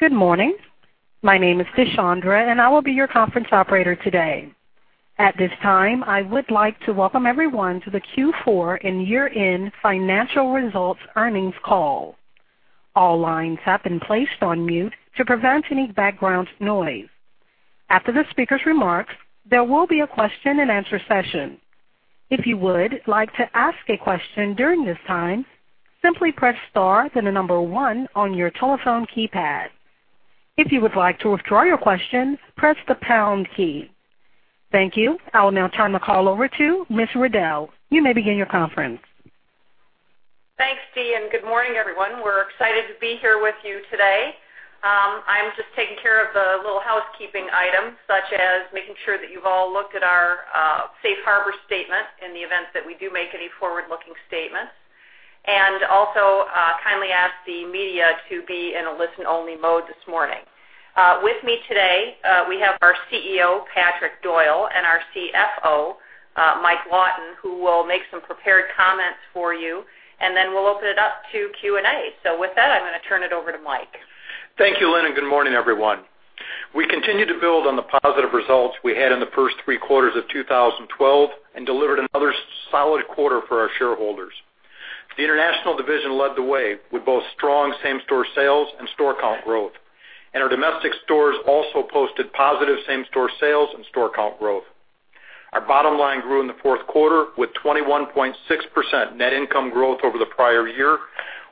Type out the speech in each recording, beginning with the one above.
Good morning. My name is Tashondra, and I will be your conference operator today. At this time, I would like to welcome everyone to the Q4 and year-end financial results earnings call. All lines have been placed on mute to prevent any background noise. After the speaker's remarks, there will be a question and answer session. If you would like to ask a question during this time, simply press star, then the number one on your telephone keypad. If you would like to withdraw your question, press the pound key. Thank you. I will now turn the call over to Ms. Riddell. You may begin your conference. Thanks, T, good morning, everyone. We're excited to be here with you today. I'm just taking care of the little housekeeping items, such as making sure that you've all looked at our safe harbor statement in the event that we do make any forward-looking statements. Also kindly ask the media to be in a listen-only mode this morning. With me today, we have our CEO, Patrick Doyle, and our CFO, Mike Lawton, who will make some prepared comments for you, then we'll open it up to Q&A. With that, I'm going to turn it over to Mike. Thank you, Lynn, good morning, everyone. We continue to build on the positive results we had in the first three quarters of 2012 and delivered another solid quarter for our shareholders. The international division led the way with both strong same-store sales and store count growth, and our domestic stores also posted positive same-store sales and store count growth. Our bottom line grew in the fourth quarter with 21.6% net income growth over the prior year,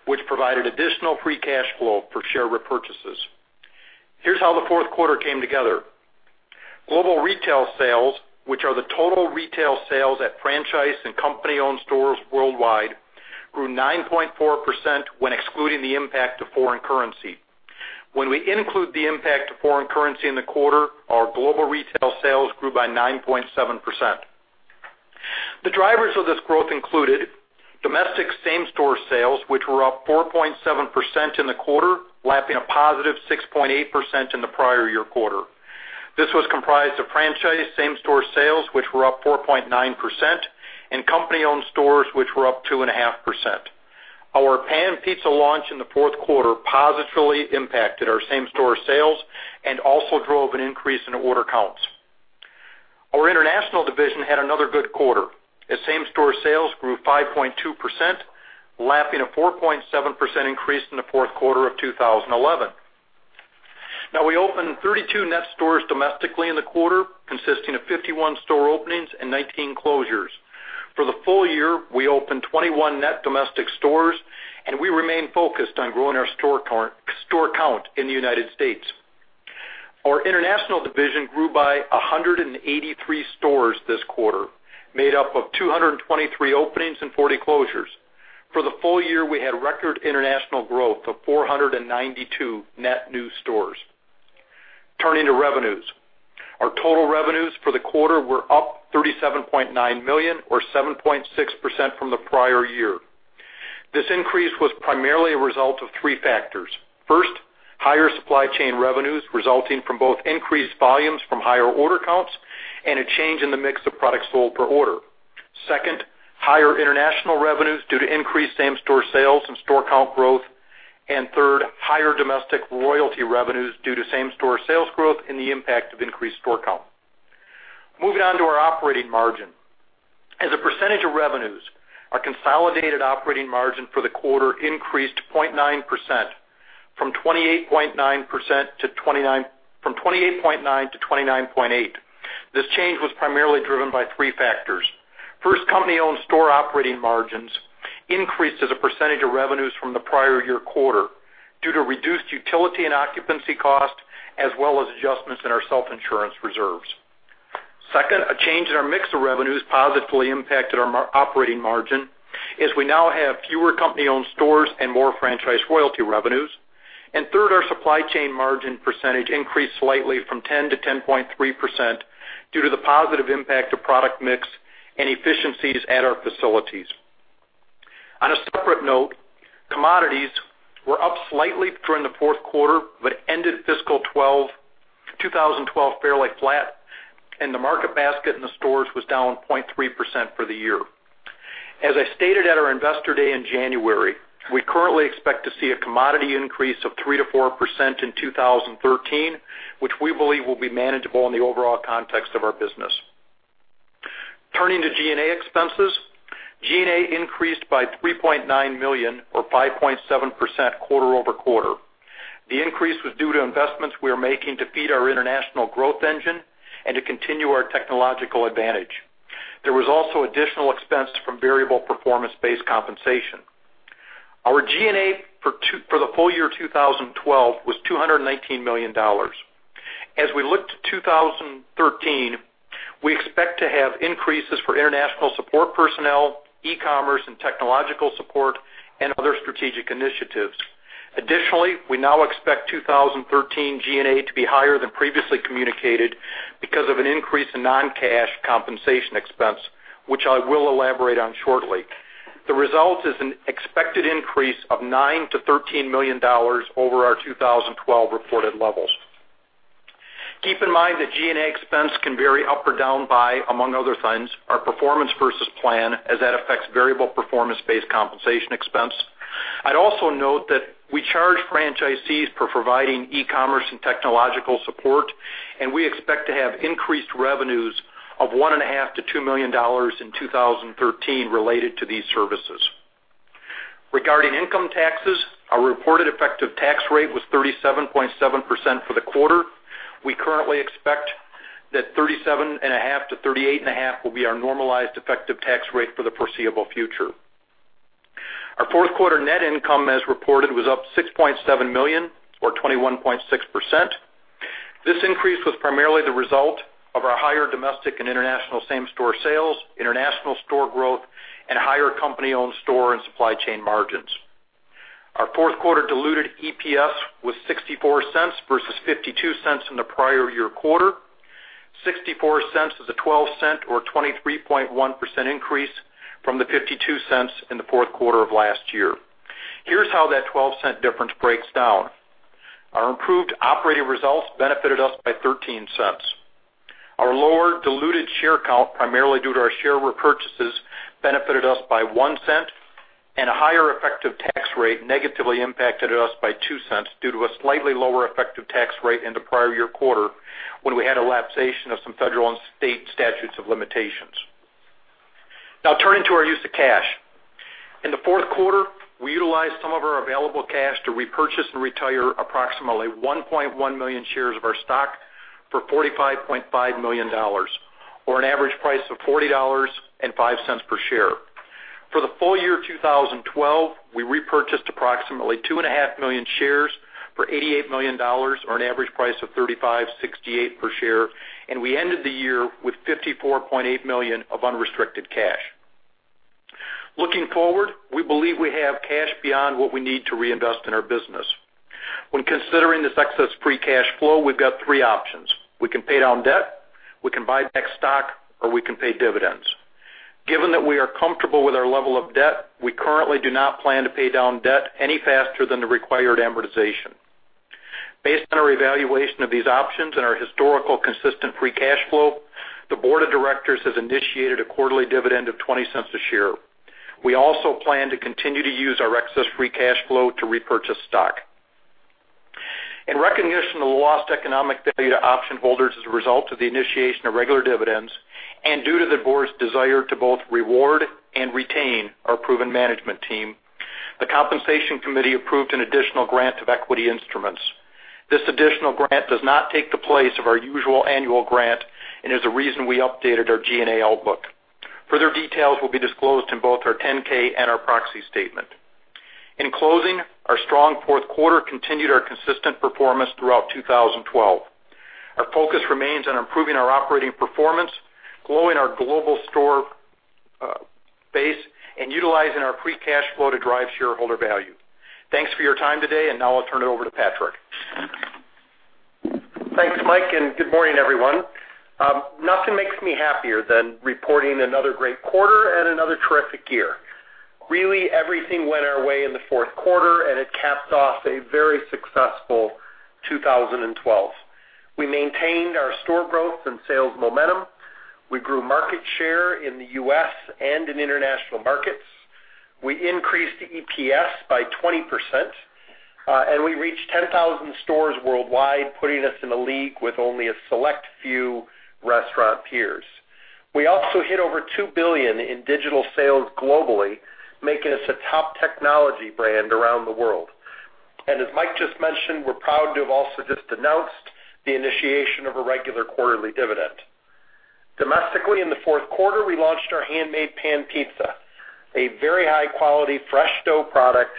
which provided additional free cash flow for share repurchases. Here's how the fourth quarter came together. Global retail sales, which are the total retail sales at franchise and company-owned stores worldwide, grew 9.4% when excluding the impact of foreign currency. When we include the impact of foreign currency in the quarter, our global retail sales grew by 9.7%. The drivers of this growth included domestic same-store sales, which were up 4.7% in the quarter, lapping a positive 6.8% in the prior year quarter. This was comprised of franchise same-store sales, which were up 4.9%, and company-owned stores, which were up 2.5%. Our Pan Pizza launch in the fourth quarter positively impacted our same-store sales and also drove an increase in order counts. Our international division had another good quarter, as same-store sales grew 5.2%, lapping a 4.7% increase in the fourth quarter of 2011. We opened 32 net stores domestically in the quarter, consisting of 51 store openings and 19 closures. For the full year, we opened 21 net domestic stores, and we remain focused on growing our store count in the United States. Our international division grew by 183 stores this quarter, made up of 223 openings and 40 closures. For the full year, we had record international growth of 492 net new stores. Turning to revenues. Our total revenues for the quarter were up $37.9 million or 7.6% from the prior year. This increase was primarily a result of three factors. First, higher supply chain revenues resulting from both increased volumes from higher order counts and a change in the mix of products sold per order. Second, higher international revenues due to increased same-store sales and store count growth. Third, higher domestic royalty revenues due to same-store sales growth and the impact of increased store count. Moving on to our operating margin. As a percentage of revenues, our consolidated operating margin for the quarter increased to 0.9%, from 28.9% to 29.8%. This change was primarily driven by three factors. First, company-owned store operating margins increased as a percentage of revenues from the prior year quarter due to reduced utility and occupancy cost, as well as adjustments in our self-insurance reserves. Second, a change in our mix of revenues positively impacted our operating margin as we now have fewer company-owned stores and more franchise royalty revenues. Third, our supply chain margin percentage increased slightly from 10% to 10.3% due to the positive impact of product mix and efficiencies at our facilities. On a separate note, commodities were up slightly during the fourth quarter but ended fiscal 2012 fairly flat, and the market basket in the stores was down 0.3% for the year. As I stated at our investor day in January, we currently expect to see a commodity increase of 3%-4% in 2013, which we believe will be manageable in the overall context of our business. Turning to G&A expenses. G&A increased by $3.9 million or 5.7% quarter-over-quarter. The increase was due to investments we are making to feed our international growth engine and to continue our technological advantage. There was also additional expense from variable performance-based compensation. Our G&A for the full year 2012 was $219 million. As we look to 2013, we expect to have increases for international support personnel, e-commerce and technological support, and other strategic initiatives. Additionally, we now expect 2013 G&A to be higher than previously communicated because of an increase in non-cash compensation expense, which I will elaborate on shortly. The result is an expected increase of $9 million-$13 million over our 2012 reported levels. Keep in mind that G&A expense can vary up or down by, among other things, our performance versus plan, as that affects variable performance-based compensation expense. I'd also note that we charge franchisees for providing e-commerce and technological support, and we expect to have increased revenues of $1.5 million-$2 million in 2013 related to these services. Regarding income taxes, our reported effective tax rate was 37.7% for the quarter. We currently expect that 37.5%-38.5% will be our normalized effective tax rate for the foreseeable future. Our fourth quarter net income, as reported, was up $6.7 million, or 21.6%. This increase was primarily the result of our higher domestic and international same-store sales, international store growth, and higher company-owned store and supply chain margins. Our fourth quarter diluted EPS was $0.64 versus $0.52 in the prior year quarter. $0.64 is a $0.12 or 23.1% increase from the $0.52 in the fourth quarter of last year. Here's how that $0.12 difference breaks down. Our improved operating results benefited us by $0.13. Our lower diluted share count, primarily due to our share repurchases, benefited us by $0.01, and a higher effective tax rate negatively impacted us by $0.02 due to a slightly lower effective tax rate in the prior year quarter, when we had a lapsation of some federal and state statutes of limitations. Turning to our use of cash. In the fourth quarter, we utilized some of our available cash to repurchase and retire approximately 1.1 million shares of our stock for $45.5 million, or an average price of $40.05 per share. For the full year 2012, we repurchased approximately 2.5 million shares for $88 million, or an average price of $35.68 per share, and we ended the year with $54.8 million of unrestricted cash. Looking forward, we believe we have cash beyond what we need to reinvest in our business. When considering this excess free cash flow, we've got three options. We can pay down debt, we can buy back stock, or we can pay dividends. Given that we are comfortable with our level of debt, we currently do not plan to pay down debt any faster than the required amortization. Based on our evaluation of these options and our historical consistent free cash flow, the board of directors has initiated a quarterly dividend of $0.20 a share. We also plan to continue to use our excess free cash flow to repurchase stock. In recognition of the lost economic value to option holders as a result of the initiation of regular dividends, due to the board's desire to both reward and retain our proven management team, the compensation committee approved an additional grant of equity instruments. This additional grant does not take the place of our usual annual grant and is the reason we updated our G&A outlook. Further details will be disclosed in both our 10-K and our proxy statement. Closing, our strong fourth quarter continued our consistent performance throughout 2012. Our focus remains on improving our operating performance, growing our global store base, and utilizing our free cash flow to drive shareholder value. Thanks for your time today, I'll turn it over to Patrick. Thanks, Mike. Good morning, everyone. Nothing makes me happier than reporting another great quarter and another terrific year. Everything went our way in the fourth quarter, it capped off a very successful 2012. We maintained our store growth and sales momentum. We grew market share in the U.S. and in international markets. We increased EPS by 20%, we reached 10,000 stores worldwide, putting us in a league with only a select few restaurant peers. We also hit over $2 billion in digital sales globally, making us a top technology brand around the world. As Mike just mentioned, we're proud to have also just announced the initiation of a regular quarterly dividend. Domestically, in the fourth quarter, we launched our Handmade Pan Pizza, a very high-quality, fresh dough product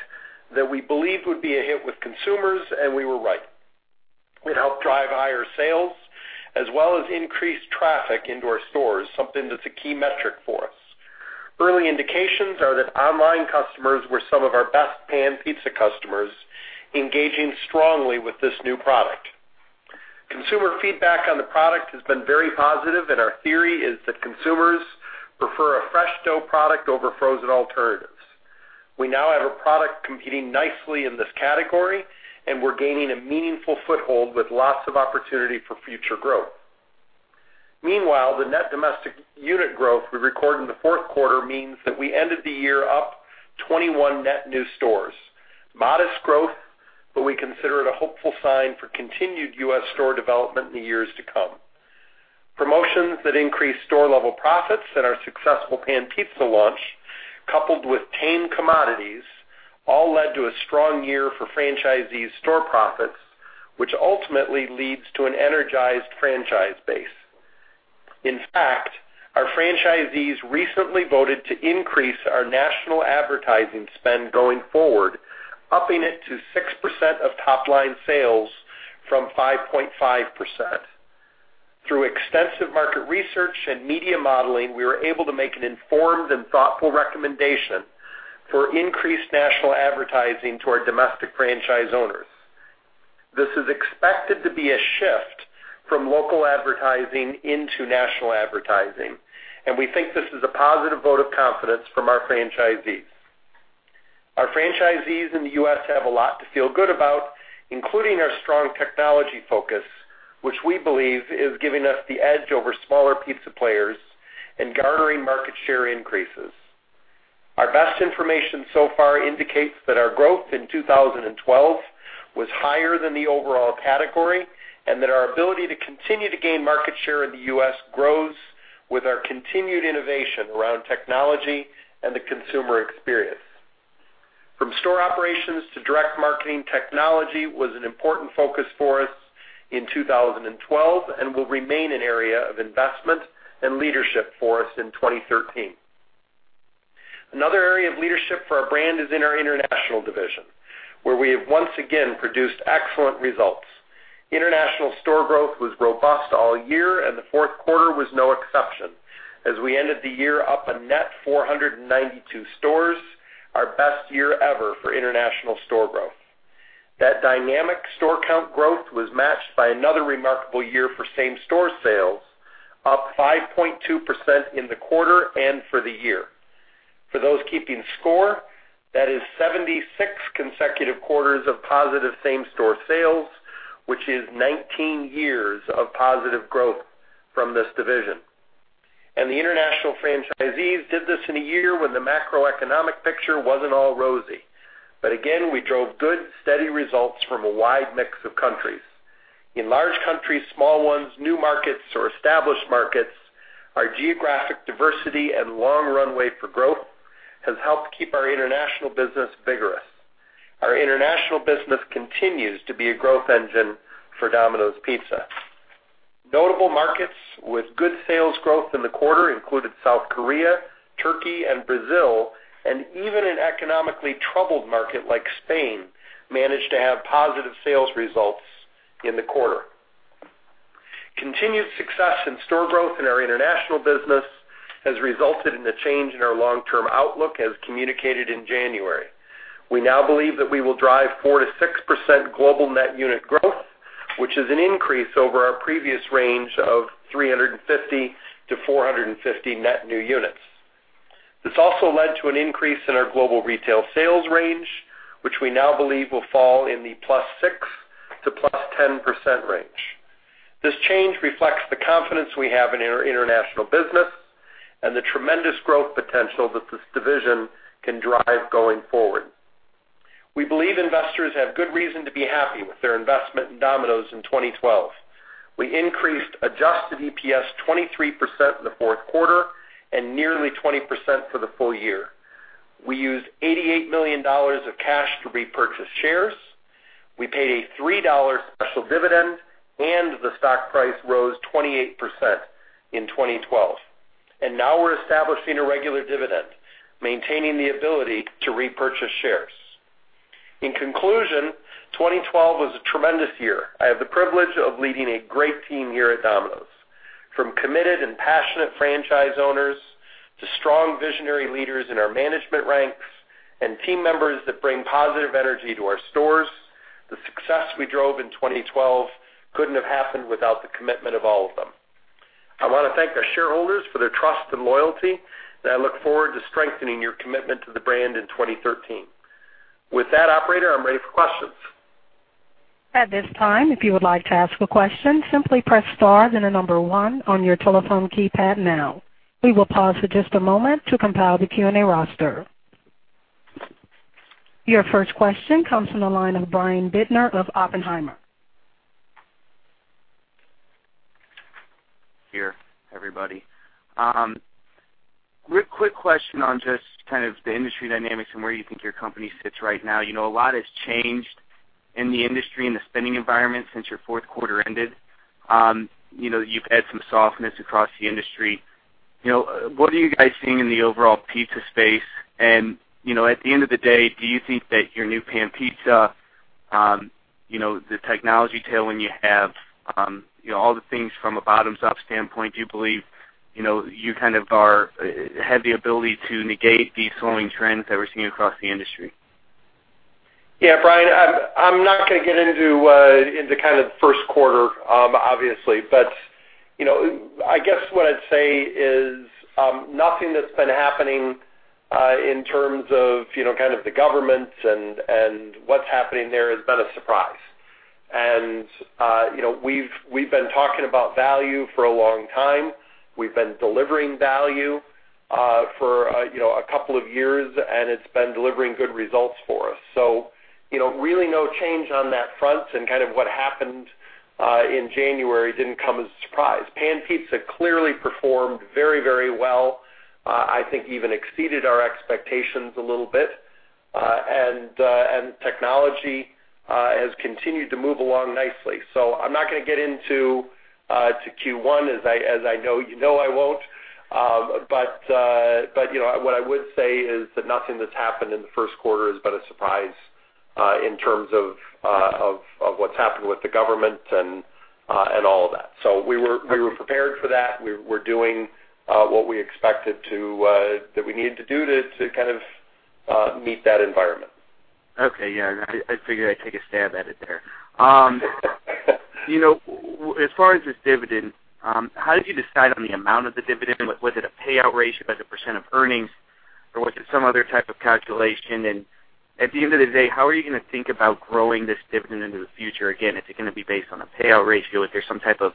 that we believed would be a hit with consumers, and we were right. It helped drive higher sales as well as increased traffic into our stores, something that's a key metric for us. Early indications are that online customers were some of our best pan pizza customers, engaging strongly with this new product. Consumer feedback on the product has been very positive, our theory is that consumers prefer a fresh dough product over frozen alternatives. We now have a product competing nicely in this category, we're gaining a meaningful foothold with lots of opportunity for future growth. Meanwhile, the net domestic unit growth we recorded in the fourth quarter means that we ended the year up 21 net new stores. Modest growth, but we consider it a hopeful sign for continued U.S. store development in the years to come. Promotions that increased store-level profits and our successful pan pizza launch, coupled with tame commodities, all led to a strong year for franchisees' store profits, which ultimately leads to an energized franchise base. In fact, our franchisees recently voted to increase our national advertising spend going forward, upping it to 6% of top-line sales from 5.5%. Through extensive market research and media modeling, we were able to make an informed and thoughtful recommendation for increased national advertising to our domestic franchise owners. This is expected to be a shift from local advertising into national advertising, we think this is a positive vote of confidence from our franchisees. Our franchisees in the U.S. have a lot to feel good about, including our strong technology focus, which we believe is giving us the edge over smaller pizza players and garnering market share increases. Our best information so far indicates that our growth in 2012 was higher than the overall category, our ability to continue to gain market share in the U.S. grows with our continued innovation around technology and the consumer experience. From store operations to direct marketing, technology was an important focus for us in 2012 and will remain an area of investment and leadership for us in 2013. Another area of leadership for our brand is in our international division, where we have once again produced excellent results. International store growth was robust all year, the fourth quarter was no exception, as we ended the year up a net 492 stores, our best year ever for international store growth. That dynamic store count growth was matched by another remarkable year for same-store sales, up 5.2% in the quarter and for the year. For those keeping score, that is 76 consecutive quarters of positive same-store sales, which is 19 years of positive growth from this division. The international franchisees did this in a year when the macroeconomic picture wasn't all rosy. Again, we drove good, steady results from a wide mix of countries. In large countries, small ones, new markets, or established markets, our geographic diversity and long runway for growth has helped keep our international business vigorous. Our international business continues to be a growth engine for Domino's Pizza. Notable markets with good sales growth in the quarter included South Korea, Turkey, and Brazil, and even an economically troubled market like Spain managed to have positive sales results in the quarter. Continued success in store growth in our international business has resulted in a change in our long-term outlook as communicated in January. We now believe that we will drive 4%-6% global net unit growth, which is an increase over our previous range of 350-450 net new units. This also led to an increase in our global retail sales range, which we now believe will fall in the +6% to +10% range. This change reflects the confidence we have in our international business and the tremendous growth potential that this division can drive going forward. We believe investors have good reason to be happy with their investment in Domino's in 2012. We increased adjusted EPS 23% in the fourth quarter and nearly 20% for the full year. We used $88 million of cash to repurchase shares, we paid a $3 special dividend, the stock price rose 28% in 2012. Now we're establishing a regular dividend, maintaining the ability to repurchase shares. In conclusion, 2012 was a tremendous year. I have the privilege of leading a great team here at Domino's, from committed and passionate franchise owners to strong visionary leaders in our management ranks and team members that bring positive energy to our stores. The success we drove in 2012 couldn't have happened without the commitment of all of them. I want to thank our shareholders for their trust and loyalty, and I look forward to strengthening your commitment to the brand in 2013. With that, operator, I'm ready for questions. At this time, if you would like to ask a question, simply press star, then the number one on your telephone keypad now. We will pause for just a moment to compile the Q&A roster. Your first question comes from the line of Brian Bittner of Oppenheimer. Here, everybody. Real quick question on just kind of the industry dynamics and where you think your company sits right now. A lot has changed in the industry and the spending environment since your fourth quarter ended. You've had some softness across the industry. What are you guys seeing in the overall pizza space? At the end of the day, do you think that your new Pan Pizza, the technology tailwind you have, all the things from a bottoms-up standpoint, do you believe you kind of have the ability to negate these slowing trends that we're seeing across the industry? Yeah, Brian, I'm not going to get into kind of first quarter, obviously. I guess what I'd say is, nothing that's been happening in terms of the governments and what's happening there has been a surprise. We've been talking about value for a long time. We've been delivering value for a couple of years, and it's been delivering good results for us. Really no change on that front, and kind of what happened in January didn't come as a surprise. Pan Pizza clearly performed very well. I think even exceeded our expectations a little bit. Technology has continued to move along nicely. I'm not going to get into Q1, as I know you know I won't. What I would say is that nothing that's happened in the first quarter has been a surprise in terms of what's happened with the government and all of that. We were prepared for that. We're doing what we expected that we needed to do to kind of meet that environment. Okay. I figured I'd take a stab at it there. As far as this dividend, how did you decide on the amount of the dividend? Was it a payout ratio as a % of earnings, or was it some other type of calculation? At the end of the day, how are you going to think about growing this dividend into the future? Again, is it going to be based on a payout ratio? Is there some type of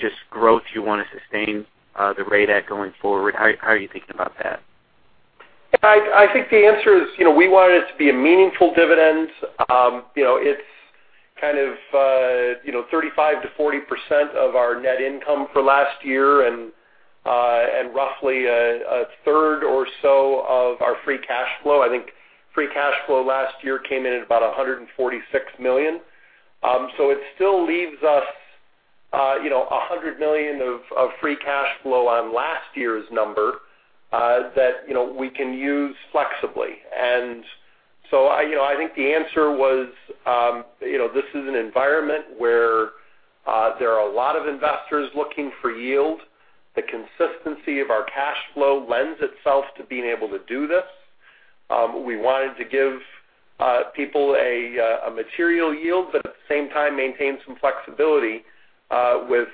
just growth you want to sustain the rate at going forward? How are you thinking about that? I think the answer is, we wanted it to be a meaningful dividend. It's 35%-40% of our net income for last year and roughly a third or so of our free cash flow. I think free cash flow last year came in at about $146 million. It still leaves us $100 million of free cash flow on last year's number that we can use flexibly. I think the answer was, this is an environment where there are a lot of investors looking for yield. The consistency of our cash flow lends itself to being able to do this. We wanted to give people a material yield, but at the same time, maintain some flexibility, with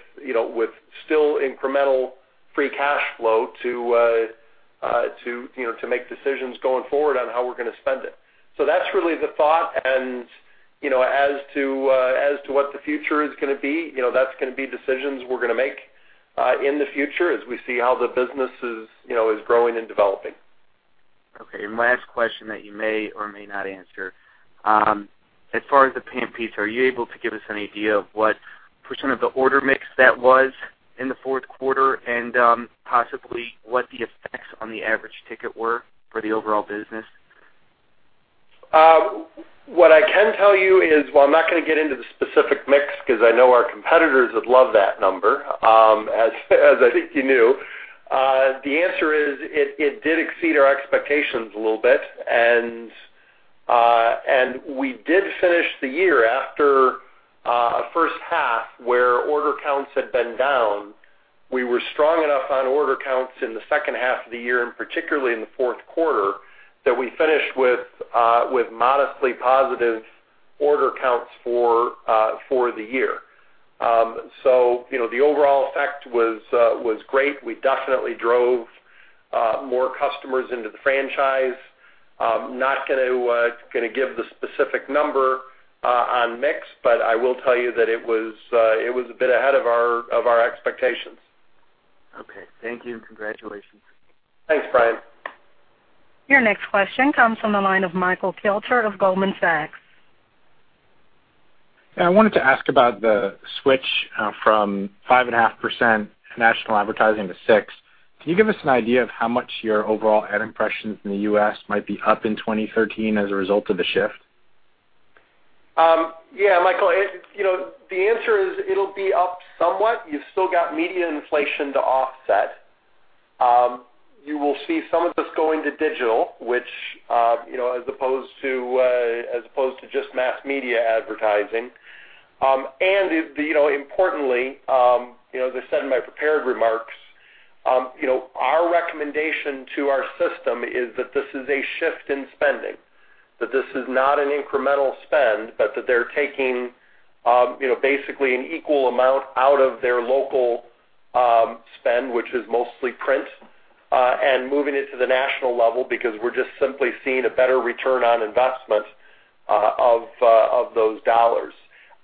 still incremental free cash flow to make decisions going forward on how we're going to spend it. That's really the thought and as to what the future is going to be, that's going to be decisions we're going to make in the future as we see how the business is growing and developing. Okay, my last question that you may or may not answer. As far as the Pan Pizza, are you able to give us any idea of what % of the order mix that was in the fourth quarter and possibly what the effects on the average ticket were for the overall business? What I can tell you is, while I'm not going to get into the specific mix, because I know our competitors would love that number, as I think you knew. The answer is, it did exceed our expectations a little bit, and we did finish the year after a first half where order counts had been down. We were strong enough on order counts in the second half of the year, and particularly in the fourth quarter, that we finished with modestly positive order counts for the year. The overall effect was great. We definitely drove more customers into the franchise. Not going to give the specific number on mix, but I will tell you that it was a bit ahead of our expectations. Okay, thank you, congratulations. Thanks, Brian. Your next question comes from the line of Michael Kelter of Goldman Sachs. Yeah, I wanted to ask about the switch from 5.5% national advertising to 6%. Can you give us an idea of how much your overall ad impressions in the U.S. might be up in 2013 as a result of the shift? Yeah, Michael, the answer is it'll be up somewhat. You've still got media inflation to offset. You will see some of this going to digital, which as opposed to just mass media advertising. Importantly, as I said in my prepared remarks, our recommendation to our system is that this is a shift in spending, that this is not an incremental spend, but that they're taking basically an equal amount out of their local spend, which is mostly print, and moving it to the national level because we're just simply seeing a better return on investment of those dollars.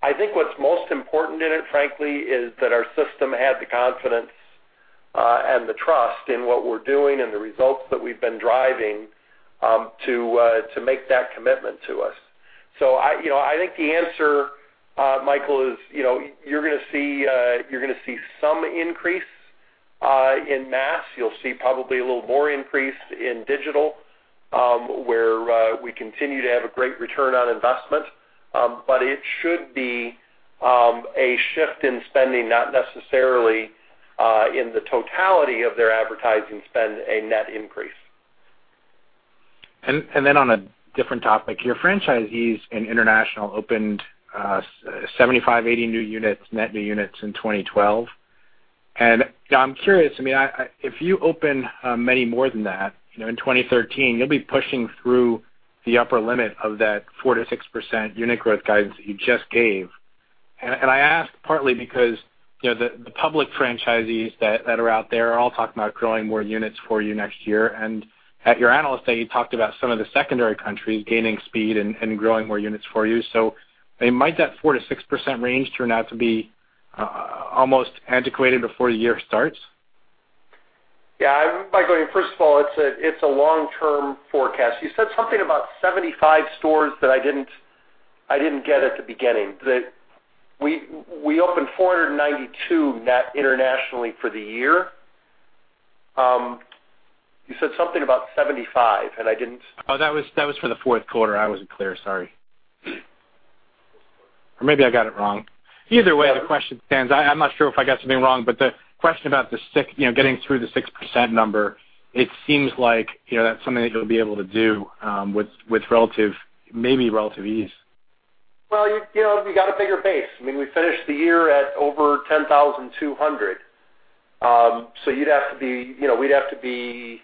I think what's most important in it, frankly, is that our system had the confidence and the trust in what we're doing and the results that we've been driving, to make that commitment to us. I think the answer, Michael, is you're going to see some increase in mass. You'll see probably a little more increase in digital, where we continue to have a great return on investment. It should be a shift in spending, not necessarily in the totality of their advertising spend, a net increase. On a different topic, your franchisees in international opened 75, 80 new units, net new units in 2012. I'm curious, if you open many more than that in 2013, you'll be pushing through the upper limit of that 4%-6% unit growth guidance that you just gave. I ask partly because, the public franchisees that are out there are all talking about growing more units for you next year. At your Analyst Day, you talked about some of the secondary countries gaining speed and growing more units for you. Might that 4%-6% range turn out to be almost antiquated before the year starts? Yeah. Michael, first of all, it's a long-term forecast. You said something about 75 stores that I didn't get at the beginning. We opened 492 net internationally for the year. You said something about 75. Oh, that was for the fourth quarter. I wasn't clear, sorry. Maybe I got it wrong. Either way, the question stands. I'm not sure if I got something wrong, but the question about getting through the 6% number, it seems like that's something that you'll be able to do with maybe relative ease. We got a bigger base. We finished the year at over 10,200. We'd have to be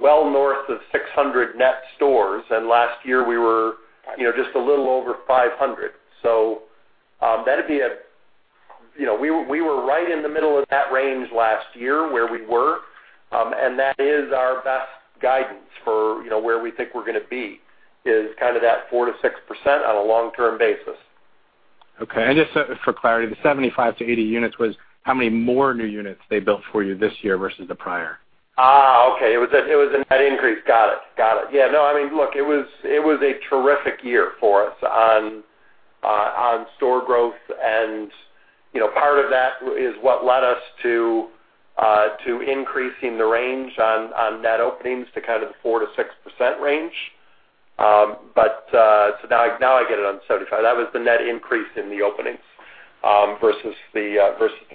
well north of 600 net stores, and last year we were just a little over 500. We were right in the middle of that range last year where we were, and that is our best guidance for where we think we're going to be, is that 4%-6% on a long-term basis. Okay. Just for clarity, the 75-80 units was how many more new units they built for you this year versus the prior? Okay. It was a net increase. Got it. Look, it was a terrific year for us on store growth, part of that is what led us to increasing the range on net openings to the 4%-6% range. Now I get it on 75. That was the net increase in the openings versus the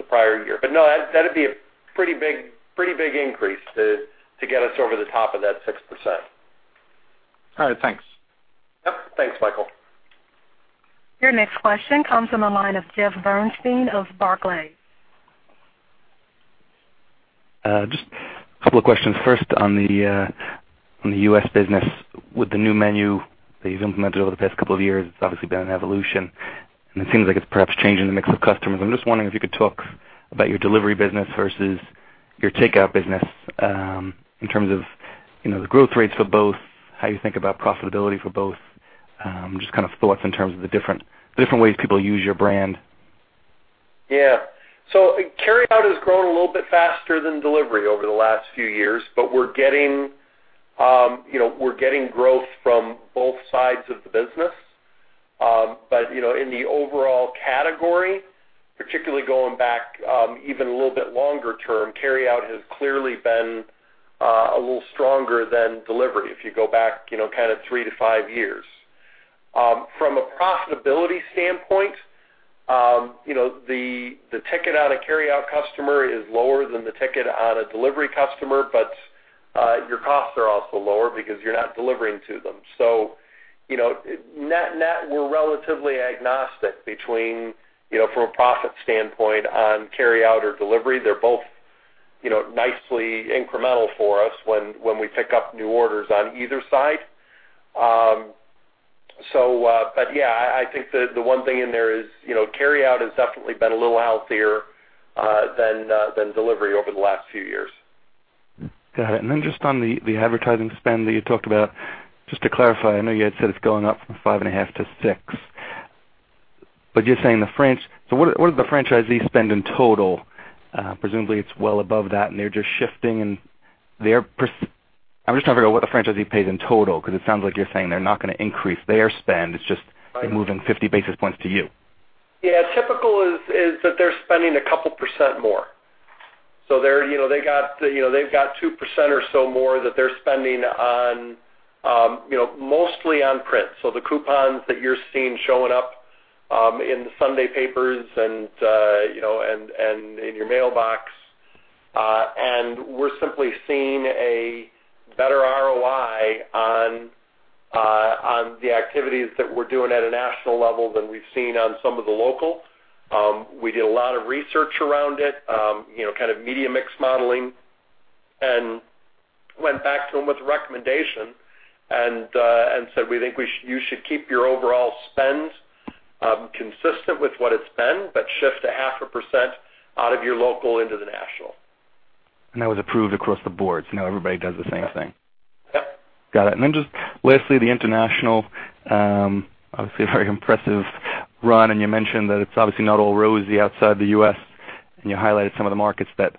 prior year. No, that'd be a pretty big increase to get us over the top of that 6%. All right. Thanks. Yep. Thanks, Michael. Your next question comes from the line of Jeffrey Bernstein of Barclays. Just a couple of questions. First, on the U.S. business. With the new menu that you've implemented over the past couple of years, it's obviously been an evolution, and it seems like it's perhaps changing the mix of customers. I'm just wondering if you could talk about your delivery business versus your takeout business, in terms of the growth rates for both, how you think about profitability for both, just thoughts in terms of the different ways people use your brand. Yeah. Carryout has grown a little bit faster than delivery over the last few years, but we're getting growth from both sides of the business. In the overall category, particularly going back even a little bit longer term, carryout has clearly been a little stronger than delivery, if you go back three to five years. From a profitability standpoint, the ticket on a carryout customer is lower than the ticket on a delivery customer, but your costs are also lower because you're not delivering to them. Net, we're relatively agnostic between, from a profit standpoint, on carryout or delivery. They're both nicely incremental for us when we pick up new orders on either side. Yeah, I think the one thing in there is carryout has definitely been a little healthier than delivery over the last few years. Got it. Just on the advertising spend that you talked about, just to clarify, I know you had said it's going up from 5.5% to 6%. What did the franchisees spend in total? Presumably it's well above that, and they're just shifting. I'm just trying to figure out what the franchisee pays in total, because it sounds like you're saying they're not going to increase their spend. It's just they're moving 50 basis points to you. Yeah. Typical is that they're spending a couple percent more. They've got 2% or so more that they're spending mostly on print. The coupons that you're seeing showing up in the Sunday papers and in your mailbox, we're simply seeing a better ROI on the activities that we're doing at a national level than we've seen on some of the local. We did a lot of research around it, media mix modeling, and went back to them with recommendation and said, "We think you should keep your overall spend consistent with what it's been, but shift a half a percent out of your local into the national. That was approved across the board. Now everybody does the same thing. Yep. Got it. Just lastly, the international, obviously a very impressive run. You mentioned that it's obviously not all rosy outside the U.S. You highlighted some of the markets that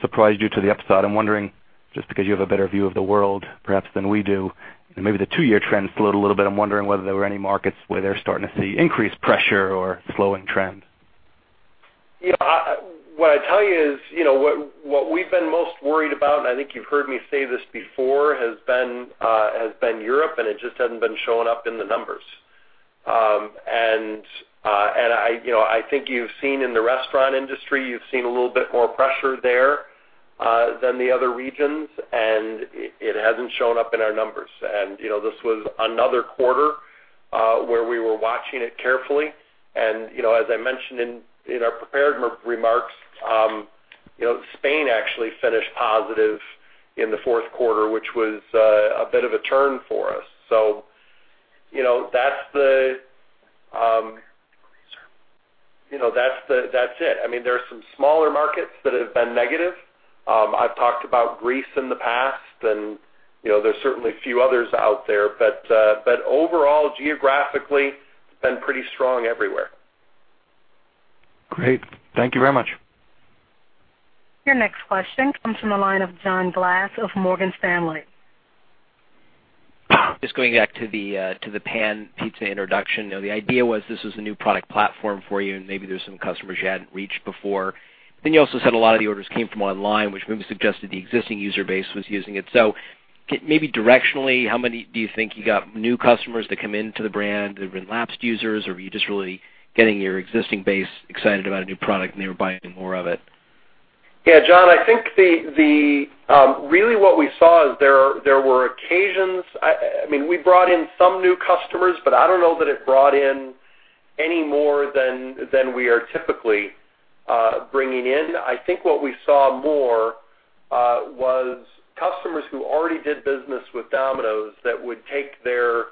surprised you to the upside. I'm wondering, just because you have a better view of the world perhaps than we do, maybe the two-year trends flowed a little bit, I'm wondering whether there were any markets where they're starting to see increased pressure or slowing trends. What I'd tell you is, what we've been most worried about, and I think you've heard me say this before, has been Europe. It just hasn't been showing up in the numbers. I think you've seen in the restaurant industry, you've seen a little bit more pressure there than the other regions, and it hasn't shown up in our numbers. This was another quarter where we were watching it carefully, and as I mentioned in our prepared remarks, Spain actually finished positive in the fourth quarter, which was a bit of a turn for us. That's it. There are some smaller markets that have been negative. I've talked about Greece in the past, and there's certainly a few others out there. Overall, geographically, it's been pretty strong everywhere. Great. Thank you very much. Your next question comes from the line of John Glass of Morgan Stanley. Just going back to the Pan Pizza introduction. The idea was this was a new product platform for you, and maybe there were some customers you hadn't reached before. You also said a lot of the orders came from online, which maybe suggested the existing user base was using it. Maybe directionally, how many do you think you got new customers that come into the brand that have been lapsed users, or were you just really getting your existing base excited about a new product and they were buying more of it? Yeah, John, I think really what we saw is there were occasions. We brought in some new customers, but I don't know that it brought in any more than we are typically bringing in. I think what we saw more was customers who already did business with Domino's that would take their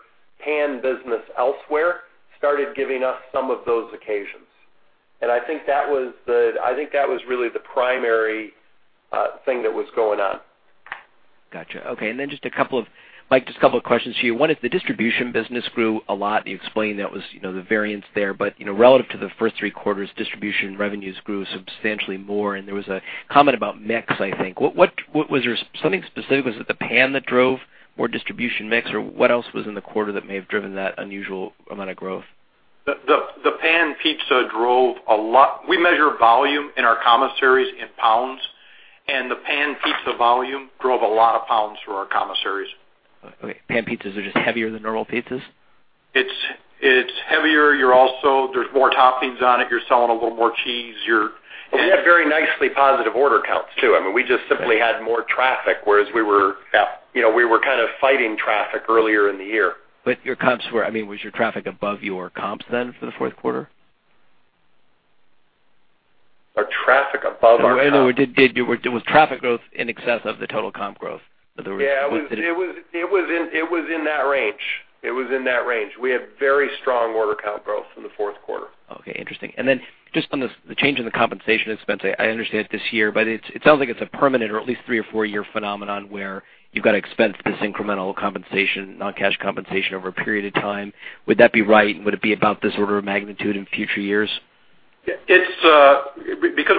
pan business elsewhere, started giving us some of those occasions. I think that was really the primary thing that was going on. Got you. Okay. Then, Mike, just a couple of questions to you. One is the distribution business grew a lot. You explained that was the variance there. Relative to the first three quarters, distribution revenues grew substantially more, and there was a comment about mix, I think. Was there something specific? Was it the pan that drove more distribution mix? Or what else was in the quarter that may have driven that unusual amount of growth? The Pan Pizza drove a lot. We measure volume in our commissaries in pounds, and the Pan Pizza volume drove a lot of pounds through our commissaries. Okay. Pan Pizzas are just heavier than normal pizzas? It's heavier. There's more toppings on it. You're selling a little more cheese. Well, we had very nicely positive order counts, too. We just simply had more traffic, whereas we were kind of fighting traffic earlier in the year. Was your traffic above your comps then for the fourth quarter? Our traffic above our comp? No, it was traffic growth in excess of the total comp growth. Yeah, it was in that range. We had very strong order count growth in the fourth quarter. Okay, interesting. Just on the change in the compensation expense, I understand it's this year, but it sounds like it's a permanent or at least three- or four-year phenomenon where you've got to expense this incremental compensation, non-cash compensation over a period of time. Would that be right, and would it be about this order of magnitude in future years? Because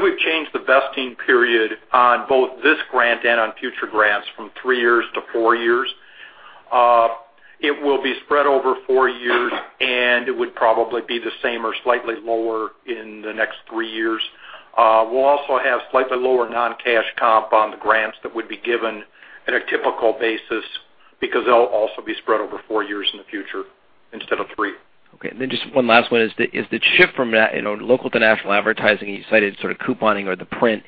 we've changed the vesting period on both this grant and on future grants from three years to four years, it will be spread over four years, and it would probably be the same or slightly lower in the next three years. We'll also have slightly lower non-cash comp on the grants that would be given at a typical basis because they'll also be spread over four years in the future instead of three. Okay. Just one last one is the shift from local to national advertising, you cited sort of couponing or the print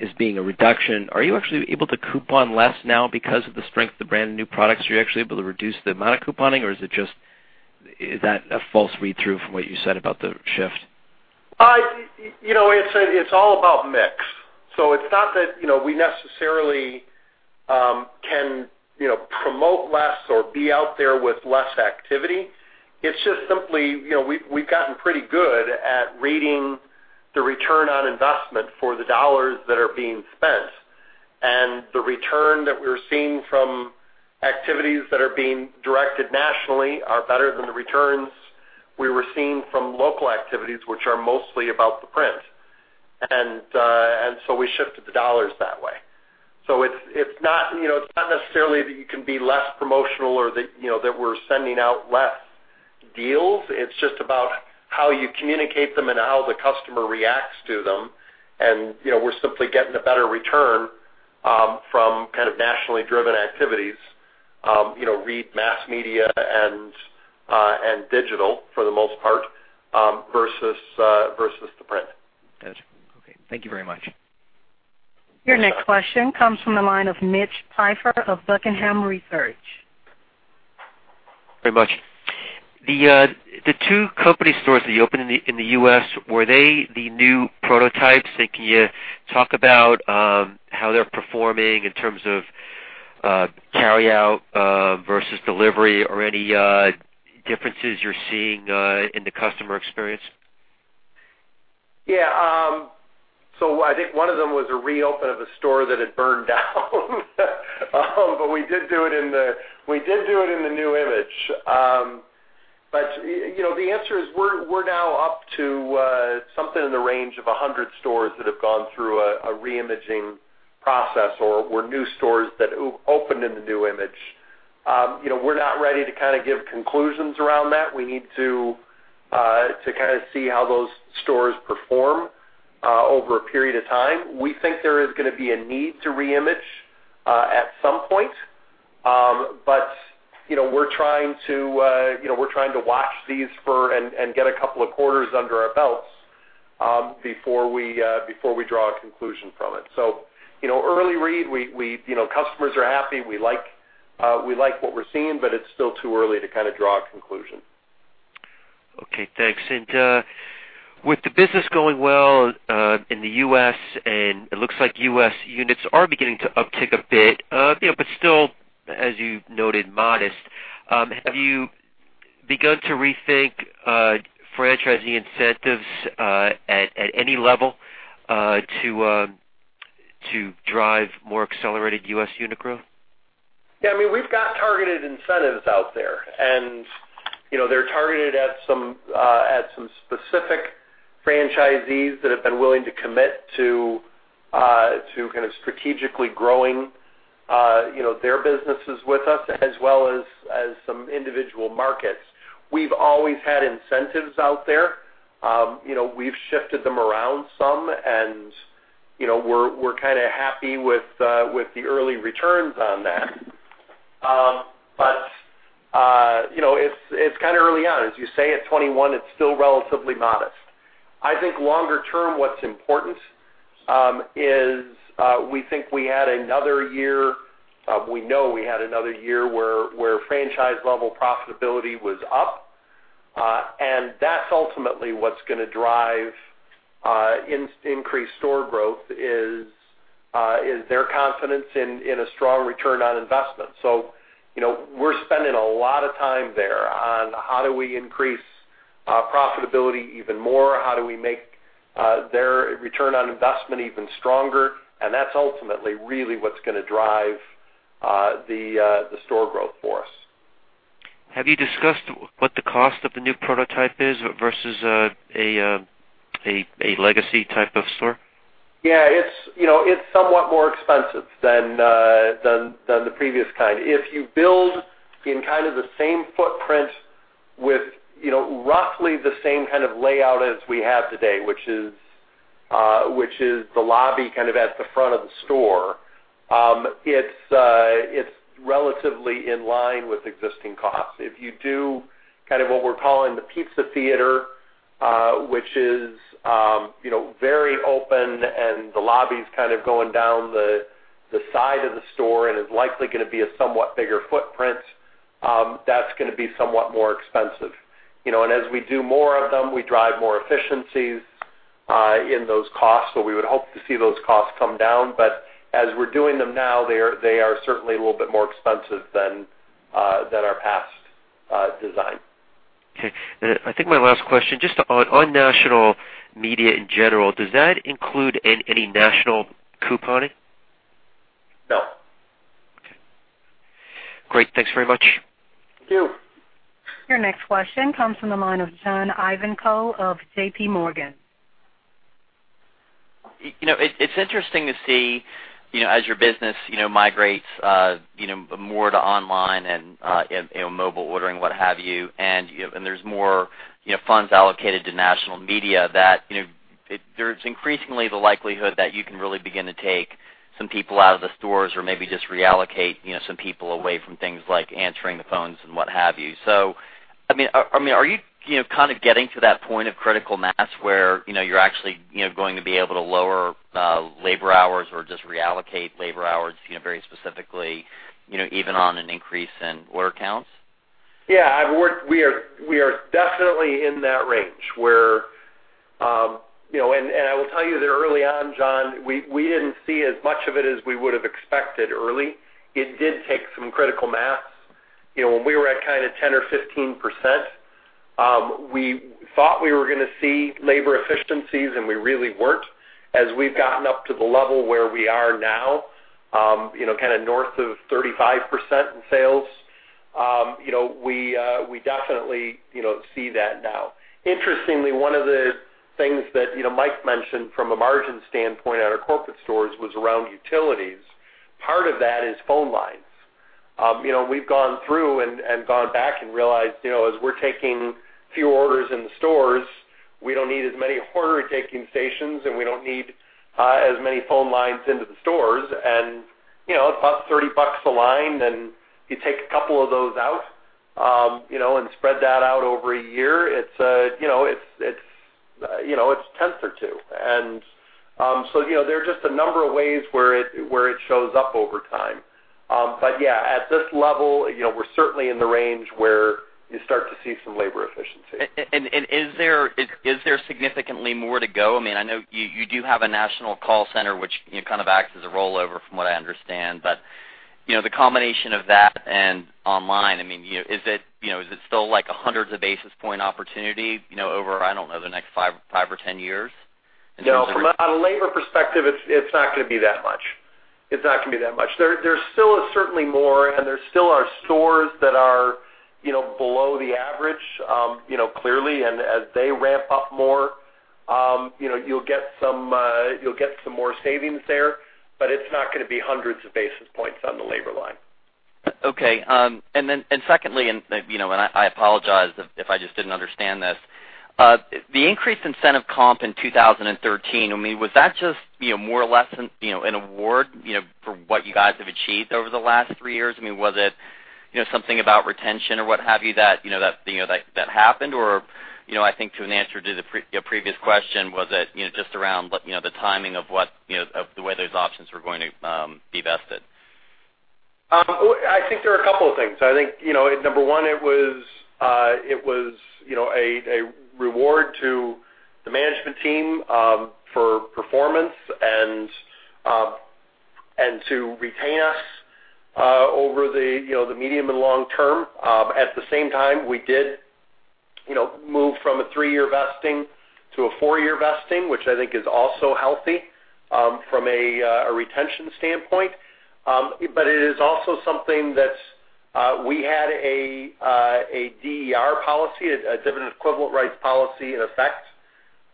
as being a reduction. Are you actually able to coupon less now because of the strength of the brand and new products? Are you actually able to reduce the amount of couponing, or is that a false read-through from what you said about the shift? It's all about mix. It's not that we necessarily can promote less or be out there with less activity. It's just simply we've gotten pretty good at reading the return on investment for the dollars that are being spent, and the return that we're seeing from activities that are being directed nationally are better than the returns we were seeing from local activities, which are mostly about the print. We shifted the dollars that way. It's not necessarily that you can be less promotional or that we're sending out less deals. It's just about how you communicate them and how the customer reacts to them. We're simply getting a better return from kind of nationally driven activities, read mass media and digital for the most part, versus the print. Got you. Okay. Thank you very much. Your next question comes from the line of Mitch Pfeifer of Buckingham Research. Very much. The two company stores that you opened in the U.S., were they the new prototypes, and can you talk about how they're performing in terms of carry out versus delivery or any differences you're seeing in the customer experience? Yeah. I think one of them was a re-open of a store that had burned down. We did do it in the new image. The answer is we're now up to something in the range of 100 stores that have gone through a re-imaging process or were new stores that opened in the new image. We're not ready to kind of give conclusions around that. We need to kind of see how those stores perform over a period of time. We think there is going to be a need to re-image at some point. We're trying to watch these and get a couple of quarters under our belts before we draw a conclusion from it. Early read, customers are happy. We like what we're seeing, but it's still too early to kind of draw a conclusion. Okay, thanks. With the business going well in the U.S., and it looks like U.S. units are beginning to uptick a bit, but still, as you noted, modest, have you begun to rethink franchisee incentives at any level to drive more accelerated U.S. unit growth? Yeah, we've got targeted incentives out there, and they're targeted at some specific franchisees that have been willing to commit to kind of strategically growing their businesses with us, as well as some individual markets. We've always had incentives out there. We've shifted them around some, and we're kind of happy with the early returns on that. It's early on. As you say, at 21, it's still relatively modest. I think longer term, what's important is we think we had another year. We know we had another year where franchise-level profitability was up, and that's ultimately what's going to drive increased store growth, is their confidence in a strong return on investment. We're spending a lot of time there on how do we increase profitability even more, how do we make their return on investment even stronger, and that's ultimately really what's going to drive the store growth for us. Have you discussed what the cost of the new prototype is versus a legacy type of store? Yeah. It's somewhat more expensive than the previous kind. If you build in the same footprint with roughly the same kind of layout as we have today, which is the lobby at the front of the store, it's relatively in line with existing costs. If you do what we're calling the Pizza Theater, which is very open, and the lobby's going down the side of the store, and is likely going to be a somewhat bigger footprint, that's going to be somewhat more expensive. As we do more of them, we drive more efficiencies in those costs. We would hope to see those costs come down. As we're doing them now, they are certainly a little bit more expensive than our past design. Okay. I think my last question, just on national media in general, does that include any national couponing? No. Okay. Great. Thanks very much. Thank you. Your next question comes from the line of John Ivankoe of J.P. Morgan. It's interesting to see, as your business migrates more to online and mobile ordering, what have you, and there's more funds allocated to national media, that there's increasingly the likelihood that you can really begin to take some people out of the stores or maybe just reallocate some people away from things like answering the phones and what have you. Are you getting to that point of critical mass where you're actually going to be able to lower labor hours or just reallocate labor hours very specifically, even on an increase in order counts? Yeah, we are definitely in that range. I will tell you that early on, John, we didn't see as much of it as we would have expected early. It did take some critical mass. When we were at 10 or 15%, we thought we were going to see labor efficiencies, and we really weren't. As we've gotten up to the level where we are now, north of 35% in sales, we definitely see that now. Interestingly, one of the things that Mike mentioned from a margin standpoint at our corporate stores was around utilities. Part of that is phone lines. We've gone through and gone back and realized, as we're taking fewer orders in the stores, we don't need as many order-taking stations, and we don't need as many phone lines into the stores. It costs $30 a line, and you take a couple of those out, and spread that out over a year, it's tens or two. There are just a number of ways where it shows up over time. Yeah, at this level, we're certainly in the range where you start to see some labor efficiency. Is there significantly more to go? I know you do have a national call center, which kind of acts as a rollover from what I understand. The combination of that and online, is it still like a hundreds of basis point opportunity over, I don't know, the next five or 10 years? No, from a labor perspective, it's not going to be that much. There still is certainly more, and there still are stores that are below the average, clearly, and as they ramp up more, you'll get some more savings there, but it's not going to be hundreds of basis points on the labor line. Okay. Secondly, I apologize if I just didn't understand this. The increased incentive comp in 2013, was that just more or less an award for what you guys have achieved over the last three years? Was it something about retention or what have you that happened? I think to an answer to the previous question, was it just around the timing of the way those options were going to be vested? I think there are a couple of things. I think, number one, it was a reward to the management team for performance and to retain us over the medium and long term. At the same time, we did move from a three-year vesting to a four-year vesting, which I think is also healthy from a retention standpoint. It is also something that we had a DER policy, a dividend equivalent rights policy in effect,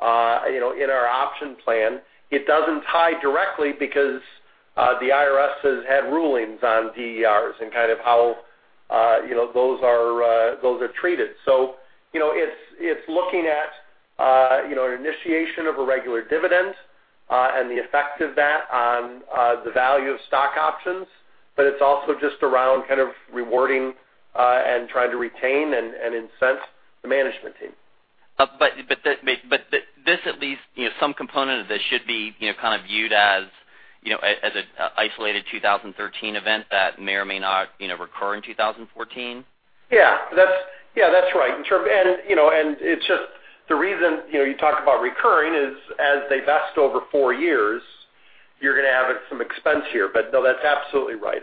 in our option plan. It doesn't tie directly because the IRS has had rulings on DERs and how those are treated. It's looking at initiation of a regular dividend The effect of that on the value of stock options, but it's also just around rewarding and trying to retain and incent the management team. This at least, some component of this should be viewed as an isolated 2013 event that may or may not recur in 2014? Yeah. That's right. It's just the reason you talked about recurring is as they vest over four years, you're going to have some expense here. No, that's absolutely right.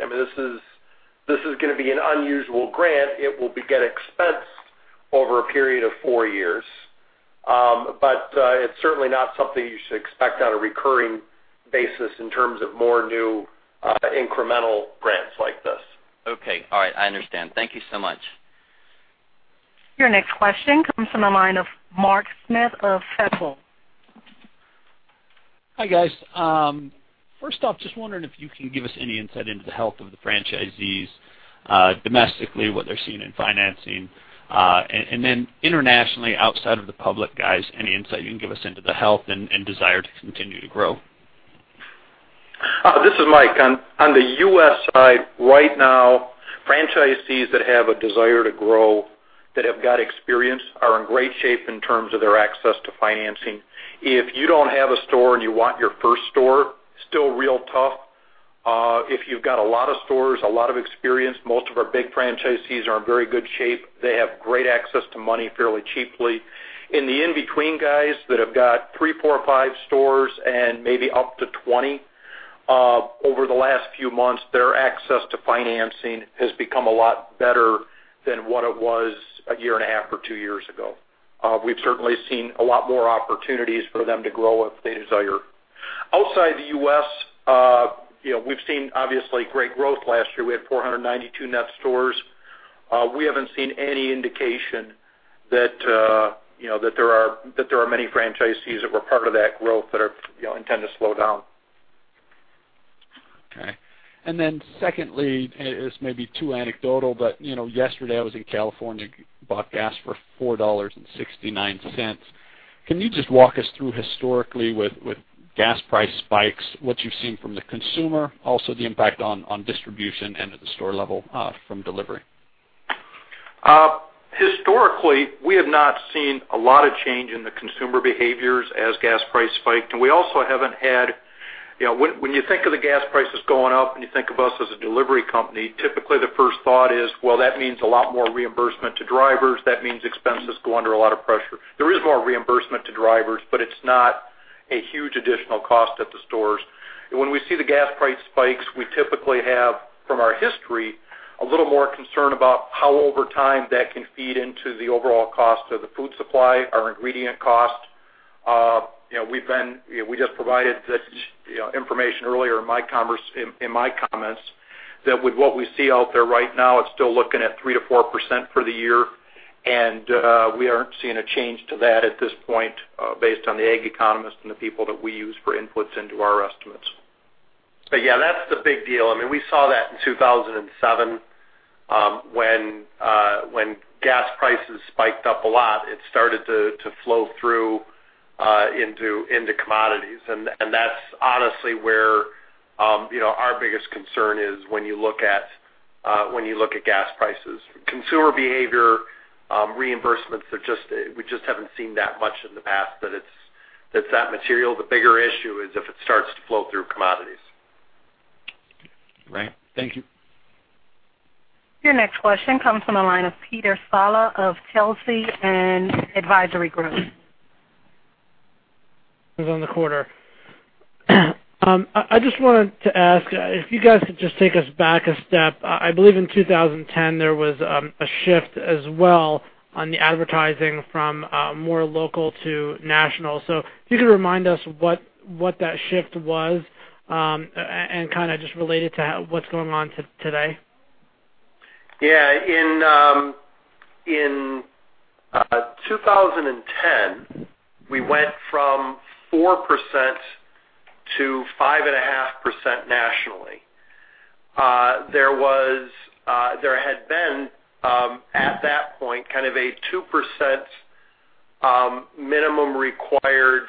This is going to be an unusual grant. It will get expensed over a period of four years. It's certainly not something you should expect on a recurring basis in terms of more new incremental grants like this. Okay. All right. I understand. Thank you so much. Your next question comes from the line of Mark Smith of Feltl. Hi, guys. First off, just wondering if you can give us any insight into the health of the franchisees, domestically, what they're seeing in financing. Internationally, outside of the public, guys, any insight you can give us into the health and desire to continue to grow? This is Mike. On the U.S. side, right now, franchisees that have a desire to grow that have got experience are in great shape in terms of their access to financing. If you don't have a store and you want your first store, still real tough. If you've got a lot of stores, a lot of experience, most of our big franchisees are in very good shape. They have great access to money fairly cheaply. In the in-between guys that have got three, four, five stores and maybe up to 20, over the last few months, their access to financing has become a lot better than what it was a year and a half or two years ago. We've certainly seen a lot more opportunities for them to grow if they desire. Outside the U.S., we've seen obviously great growth. Last year, we had 492 net stores. We haven't seen any indication that there are many franchisees that were part of that growth that intend to slow down. Secondly, this may be too anecdotal, but yesterday I was in California, bought gas for $4.69. Can you just walk us through historically with gas price spikes, what you've seen from the consumer, also the impact on distribution and at the store level from delivery? Historically, we have not seen a lot of change in the consumer behaviors as gas price spiked. We also, when you think of the gas prices going up and you think of us as a delivery company, typically the first thought is, that means a lot more reimbursement to drivers. That means expenses go under a lot of pressure. There is more reimbursement to drivers, but it's not a huge additional cost at the stores. When we see the gas price spikes, we typically have, from our history, a little more concern about how over time that can feed into the overall cost of the food supply, our ingredient cost. We just provided this information earlier in my comments, that with what we see out there right now, it's still looking at 3%-4% for the year. We aren't seeing a change to that at this point based on the ag economists and the people that we use for inputs into our estimates. That's the big deal. We saw that in 2007, when gas prices spiked up a lot, it started to flow through into commodities. That's honestly where our biggest concern is when you look at gas prices. Consumer behavior, reimbursements, we just haven't seen that much in the past that it's that material. The bigger issue is if it starts to flow through commodities. Right. Thank you. Your next question comes from the line of Peter Saleh of Telsey Advisory Group. On the quarter. I just wanted to ask if you guys could just take us back a step. I believe in 2010, there was a shift as well on the advertising from more local to national. If you could remind us what that shift was, and kind of just relate it to what's going on today. In 2010, we went from 4% to 5.5% nationally. There had been, at that point, kind of a 2% minimum required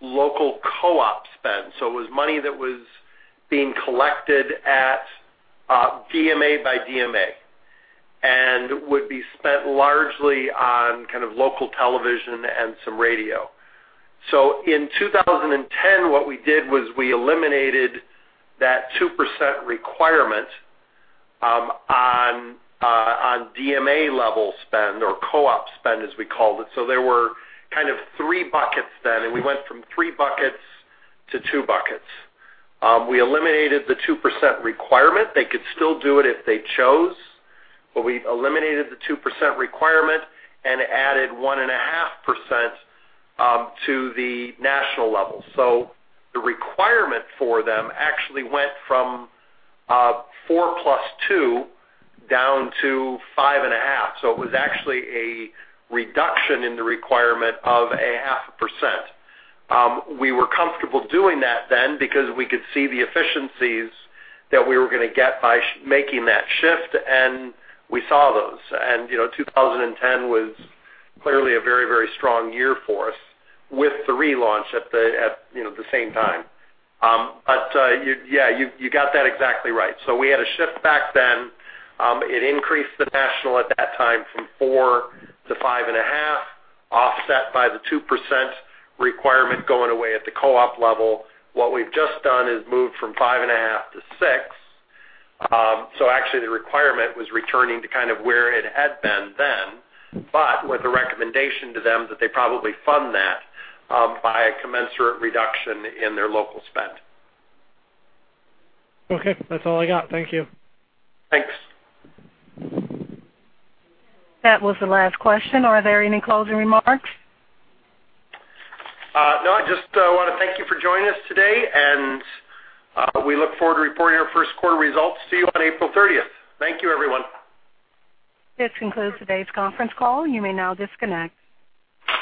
local co-op spend. It was money that was being collected at DMA by DMA, and would be spent largely on local television and some radio. In 2010, what we did was we eliminated that 2% requirement on DMA level spend or co-op spend, as we called it. There were kind of three buckets then, and we went from three buckets to two buckets. We eliminated the 2% requirement. They could still do it if they chose, but we eliminated the 2% requirement and added 1.5% to the national level. The requirement for them actually went from 4 plus 2 down to 5.5. It was actually a reduction in the requirement of a half a percent. We were comfortable doing that then because we could see the efficiencies that we were going to get by making that shift, and we saw those. 2010 was clearly a very strong year for us with the relaunch at the same time. Yeah, you got that exactly right. We had a shift back then. It increased the national at that time from 4 to 5.5, offset by the 2% requirement going away at the co-op level. What we've just done is moved from 5.5 to 6. Actually, the requirement was returning to kind of where it had been then, but with a recommendation to them that they probably fund that by a commensurate reduction in their local spend. Okay. That's all I got. Thank you. Thanks. That was the last question. Are there any closing remarks? No, I just want to thank you for joining us today, and we look forward to reporting our first quarter results to you on April 30th. Thank you, everyone. This concludes today's conference call. You may now disconnect.